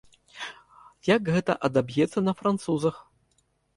Як гэта адаб'ецца на французах?